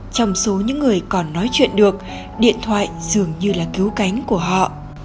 trong số những người còn nói chuyện được điện thoại dường như là cứu cánh của họ